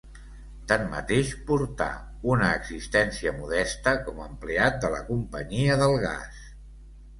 Tanmateix, portà una existència modesta com a empleat de la companyia del gas.